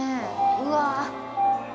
うわ！